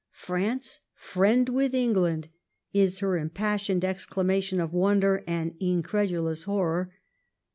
' France friend with England !* is her impassioned exclamation of wonder and incredu lous horror.